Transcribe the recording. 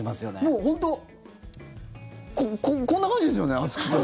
もう、本当こんな感じですよね、熱くて。